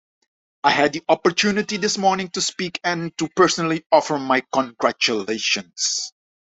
I had the opportunity this morning to speak and to personally offer my congratulations.